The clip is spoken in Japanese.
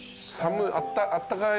あったかい。